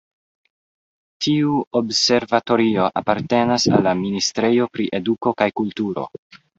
Tiu observatorio apartenas al la Ministrejo pri Eduko kaj Kulturo.